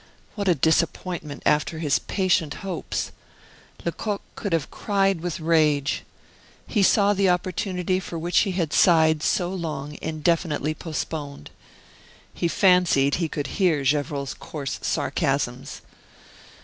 What a disappointment after his patient hopes! Lecoq could have cried with rage. He saw the opportunity for which he had sighed so long indefinitely postponed. He fancied he could hear Gevrol's coarse sarcasms.